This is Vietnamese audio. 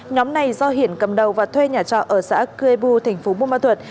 nhóm này do hiển cầm đầu và thuê nhà trọ ở xã cuebu thành phố bù ma thuật